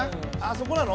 そこなの？